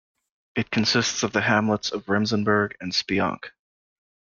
It consists of the hamlets of Remsenburg and Speonk.